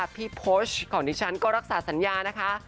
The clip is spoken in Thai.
พี่โพสต์ของดิฉันก็รักษาสัญญานะคะ